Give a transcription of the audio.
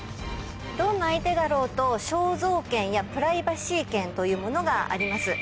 どんな相手だろうと肖像権やプライバシー権というものがあります。